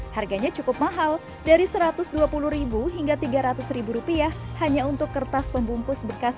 harganya cukup mahal dari satu ratus dua puluh hingga tiga ratus rupiah hanya untuk kertas pembungkus bekas